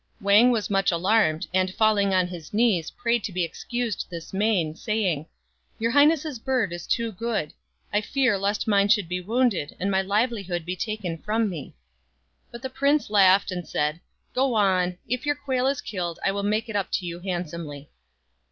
Wang was much alarmed, and falling on his knees prayed to be excused this main, saying, " Your highness's bird is too good. I fear lest mine should be wounded, and my livelihood be taken from me." But the Prince laughed and said, " Go on. If your quail is killed I will make it up to you handsomely."